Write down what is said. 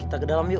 kita ke dalam yuk